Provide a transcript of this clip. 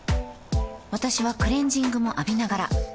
私はクレジングも浴びながら